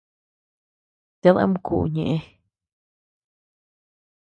Ted ama kü ñeʼë.